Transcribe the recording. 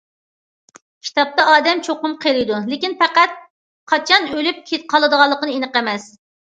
كىتابتا ئادەم چوقۇم قېرىيدۇ، لېكىن پەقەت قاچان ئۆلۈپ قالىدىغانلىقى ئېنىق ئەمەس.